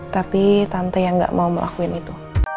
tapi tante yang gak mau melakuin itu